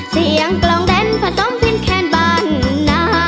เสียงกล่องแดนผสมสิ้นแคนบ้านนะ